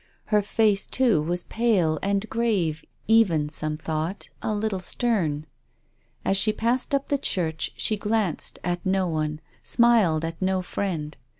Her face, too, was pale and grave, even — some thought — a little stern. As she passed up the church she glanced at no one, smiled at no friend.